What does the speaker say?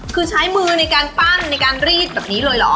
คือใช้มือในการปั้นในการรีดแบบนี้เลยเหรอ